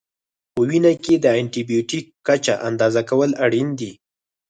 په وینه کې د انټي بیوټیک کچه اندازه کول اړین دي.